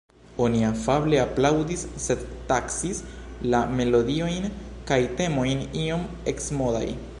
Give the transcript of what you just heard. Oni afable aplaŭdis, sed taksis la melodiojn kaj temojn iom eksmodaj.